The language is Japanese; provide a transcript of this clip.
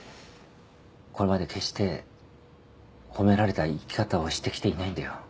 これまで決して褒められた生き方をしてきていないんだよ。